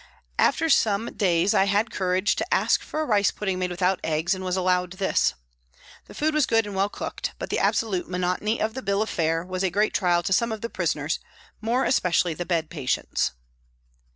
After some days I had the courage to THE HOSPITAL 101 ask for a rice pudding made without eggs and was allowed this. The food was good and well cooked, but the absolute monotony of the bill of fare was a great trial to some of the prisoners, more especially the bed patients.